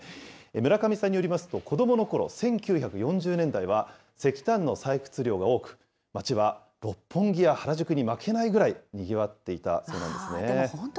村上さんによりますと、子どものころ、１９４０年代は、石炭の採掘量が多く、街は六本木や原宿に負けないぐらいにぎわっていたそうなんですね。